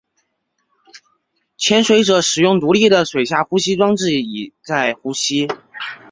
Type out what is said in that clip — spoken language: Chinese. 潜水者使用独立的水下呼吸装置以在呼吸。